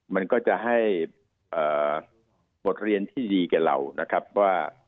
มันก็จะให้บทเรียนที่ดีแก่เรานะครับว่า